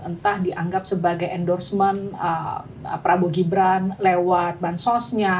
entah dianggap sebagai endorsement prabowo gibran lewat bansosnya